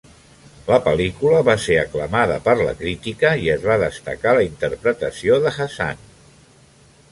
La pel·lícula va ser aclamada per la crítica i es va destacar la interpretació de Haasan.